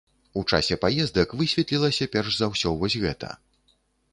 У часе паездак высветлілася перш за ўсё вось гэта.